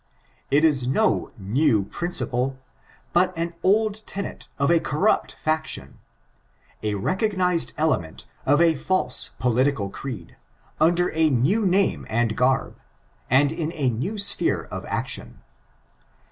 It is no new principle, but an old tenet of a corrupt faction ^a recognized element of a false political creed, under a new name and garb, and in a new sj^ere of action.